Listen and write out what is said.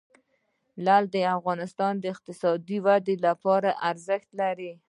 لعل د افغانستان د اقتصادي ودې لپاره ارزښت لري.